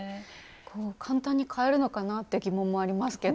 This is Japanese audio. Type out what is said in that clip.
簡単に買えるのかなって疑問もありますけど。